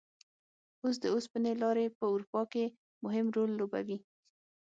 اوس د اوسپنې لارې په اروپا کې مهم رول لوبوي.